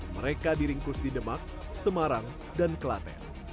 mereka diringkus di demak semarang dan klaten